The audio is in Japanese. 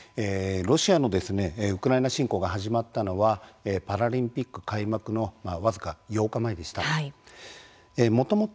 ロシアのウクライナ侵攻が始まったのはパラリンピック開幕の僅か８日前でした。